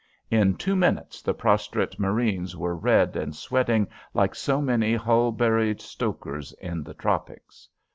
In two minutes the prostrate marines were red and sweating like so many hull buried stokers in the tropics.